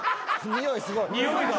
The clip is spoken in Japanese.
においすごい。